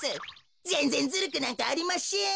ぜんぜんずるくなんかありましぇん。